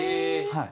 はい。